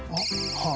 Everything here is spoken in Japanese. はい。